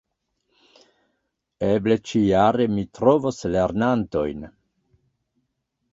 Eble ĉijare mi trovos lernantojn.